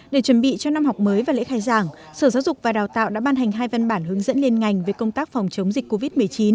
để chuẩn bị cho năm học mới và lễ khai giảng sở giáo dục và đào tạo đã ban hành hai văn bản hướng dẫn liên ngành về công tác phòng chống dịch covid một mươi chín